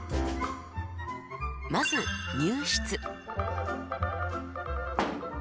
まず入室。